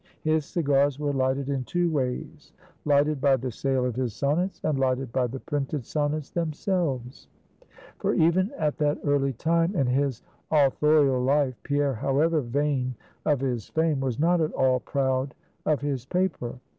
His cigars were lighted in two ways: lighted by the sale of his sonnets, and lighted by the printed sonnets themselves. For even at that early time in his authorial life, Pierre, however vain of his fame, was not at all proud of his paper.